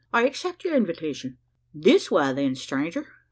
"I accept your invitation." "This way, then, stranger!"